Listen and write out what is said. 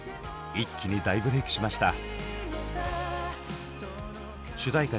一気に大ブレークしました。